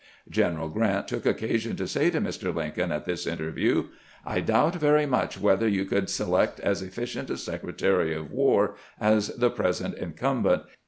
General Grant took occasion to say to Mr. Lincoln at this interview :" I doubt very much whether you could select as efficient a Secretary of War as the present in cumbent.